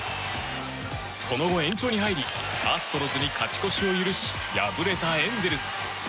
その後、延長に入りアストロズに勝ち越しを許し敗れたエンゼルス。